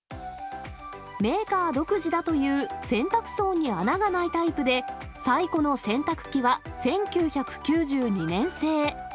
メーカー独自だという洗濯槽に穴がないタイプで、最古の洗濯機は１９９２年製。